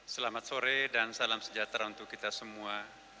selamat sore dan salam sejahtera untuk kita semua